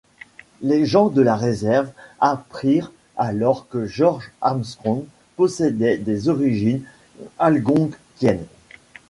Les gens de la réserve apprirent alors que George Armstrong possédait des origines algonquiennes.